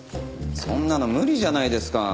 そんなの無理じゃないですか。